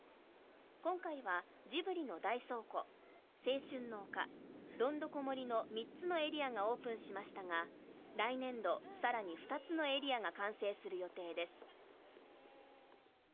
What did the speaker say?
今回はジブリの大倉庫青春の丘、どんどこ森の３つのエリアがオープンしましたが来年度、更に２つのエリアが完成する予定です。